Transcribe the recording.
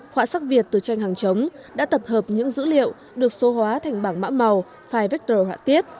họa sắc việt từ tranh hàng chống đã tập hợp những dữ liệu được số hóa thành bảng mã màu file vector họa tiết